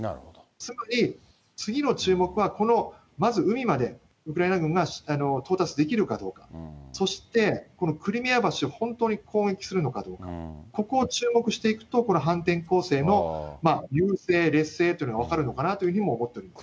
つまり次の注目はこの、まず海まで、ウクライナ軍が到達できるかどうか、そしてこのクリミア橋を本当に攻撃するのかどうか、ここを注目していくと、この反転攻勢の優勢、劣勢というのが分かるのかなというふうにも思っております。